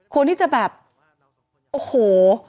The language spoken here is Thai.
ควรที่จะแบบโอ้โห